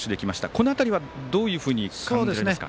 この辺りはどういうふうに考えますか？